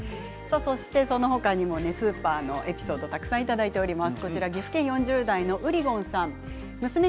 そのほかにもスーパーのエピソードをたくさんいただいています。